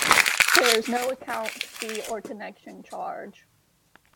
There is no account fee or connection charge.